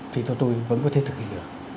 thì tôi vẫn có thể thực hiện được